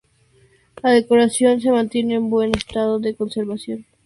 La decoración se mantiene en buen estado de conservación.